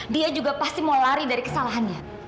dia juga pasti mau lari dari kesalahannya